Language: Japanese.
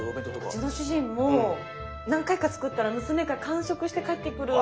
うちの主人も何回か作ったら娘が完食して帰ってくる。